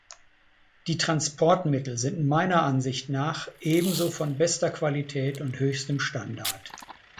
Die Transportmittel sind meiner Ansicht nach ebenso von bester Qualität und höchstem Standard.